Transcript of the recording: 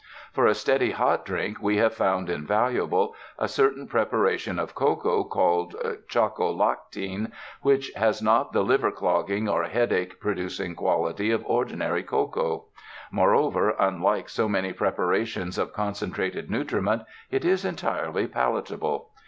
For a steady hot drink we have found invaluable a certain prepa ration of cocoa called choco lactine, which has not the liver clogging or headache producing quality of ordinary cocoa. Moreover, unlike so many prepa rations of concentrated nutriment, it is entirely palatable.